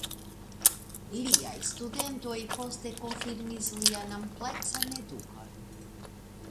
Liaj studentoj poste konfirmis lian ampleksan edukon.